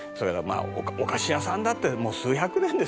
まあお菓子屋さんだって数百年ですよ